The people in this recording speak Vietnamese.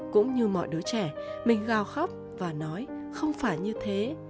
cũng như mọi đứa trẻ mình gao khóc và nói không phải như thế